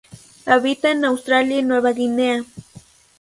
Habita en Australia y Nueva Guinea.